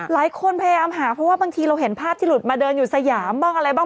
พยายามหาเพราะว่าบางทีเราเห็นภาพที่หลุดมาเดินอยู่สยามบ้างอะไรบ้าง